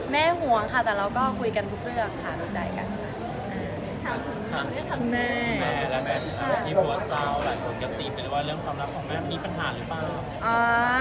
มีหัวเศร้าหลายคนก็ติดว่าเรื่องความรักของแม่มีปัญหาหรือเปล่า